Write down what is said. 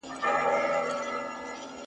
نه به کاڼی پوست سي، نه به غلیم دوست سي !.